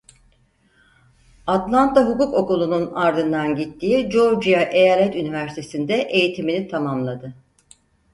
Atlanta Hukuk Okulu'nun ardından gittiği Georgia Eyalet Üniversitesi'nde eğitimini tamamladı.